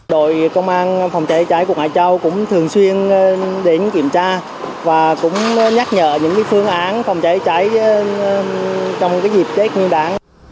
đội công an phòng cháy cháy của ngoại trao cũng thường xuyên đến kiểm tra và cũng nhắc nhở những phương án phòng cháy cháy trong dịp chết nguyên đáng